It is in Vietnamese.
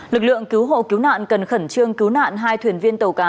lực lượng cứu hộ cứu nạn cần khẩn trương cứu nạn hai thuyền viên tàu cá